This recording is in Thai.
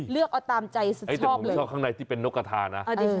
เลือกเอาตามใจแต่ผมชอบข้างในที่เป็นนกกระทานะ